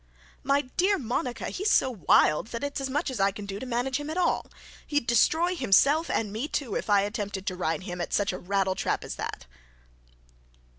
'My dear Monica, he's so wild that it's as much as I can do to manage him at all. He'd destroy himself and me too, if I attempted to ride him at such a rattletrap as that.'